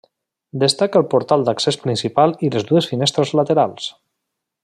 Destaca el portal d'accés principal i les dues finestres laterals.